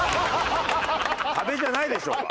壁じゃないでしょうが。